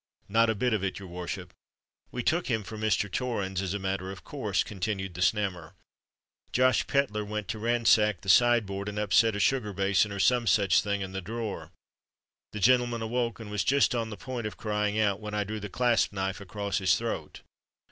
"Not a bit of it, your worship. We took him for Mr. Torrens, as a matter of course," continued the Snammer. "Josh Pedler went to ransack the side board, and upset a sugar basin, or some such thing in the drawer. The gentleman awoke, and was just on the point of crying out, when I drew the clasp knife across his throat."